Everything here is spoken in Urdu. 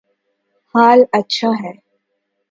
حال اچھا ہے